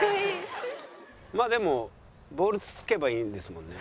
まあでもボールつつけばいいんですもんね。